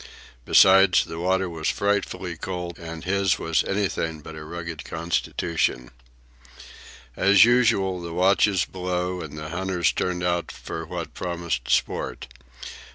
Besides, the water was frightfully cold, and his was anything but a rugged constitution. As usual, the watches below and the hunters turned out for what promised sport.